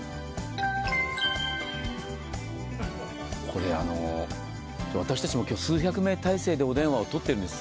これ、私たちも今日数百名態勢でお電話をとっているんです。